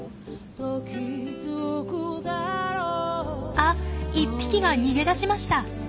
あっ１匹が逃げ出しました。